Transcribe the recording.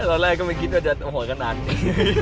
ตอนแรกก็ไม่คิดว่าจะโหดขนาดนี้